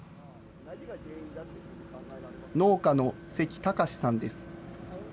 農家の関隆さんです。